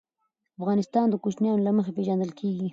افغانستان د کوچیانو له مخي پېژندل کېږي.